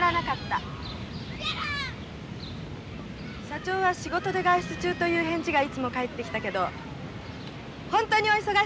社長は仕事で外出中という返事がいつも返ってきたけど本当にお忙しそうね。